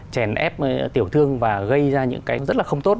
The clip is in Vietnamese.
chèn ép tiểu thương và gây ra những cái rất là không tốt